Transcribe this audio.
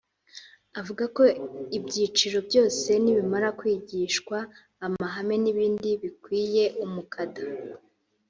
Avuga ko ibyiciro byose nibamara kwigishwa amahame n’ibindi bikwiye umukada